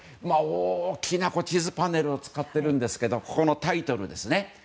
大きな地図パネルを使ってるんですけどここのタイトルですね。